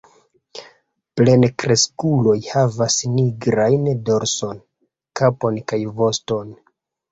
Plenkreskuloj havas nigrajn dorson, kapon kaj voston.